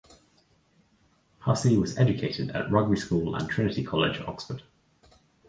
Hussey was educated at Rugby School and Trinity College, Oxford.